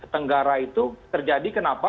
tenggara itu terjadi kenapa